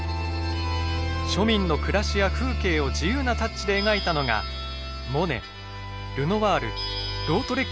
庶民の暮らしや風景を自由なタッチで描いたのがモネルノワールロートレックといった面々。